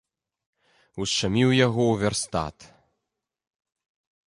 Ушчаміў яго ў вярстат.